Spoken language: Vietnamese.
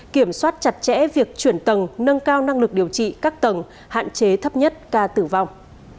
kiểm soát chặt chẽ việc chuyển tầng nâng cao năng lực điều trị các tầng hạn chế thấp nhất ca tử vong